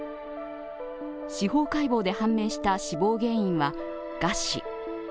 司法解剖で判明した死亡原因は、餓死。